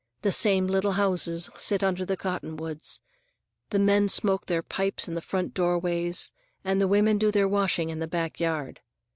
The same little houses sit under the cottonwoods; the men smoke their pipes in the front doorways, and the women do their washing in the back yard.